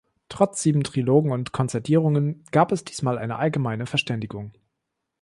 Trotz sieben Trilogen und Konzertierungen gab es diesmal eine allgemeine Verständigung.